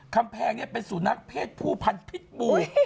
คำแพงเนี่ยเป็นสู่นักเพศผู้พันธุ์พิษบู